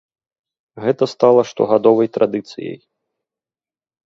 Гэта стала штогадовай традыцыяй.